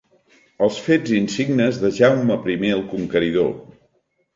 Els fets insignes de Jaume primer el Conqueridor.